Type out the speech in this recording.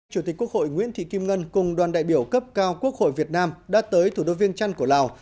chủ tịch quốc hội nguyễn thị kim ngân cùng đoàn đại biểu cấp cao quốc hội việt nam đã tới thủ đô viêng trăn của lào